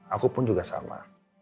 aku pun juga sama